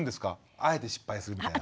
あえて失敗するみたいな。